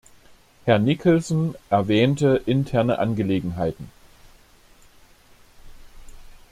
Herr Nicholson erwähnte interne Angelegenheiten.